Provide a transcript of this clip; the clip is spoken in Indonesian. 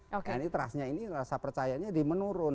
nah ini trustnya percaya di menurun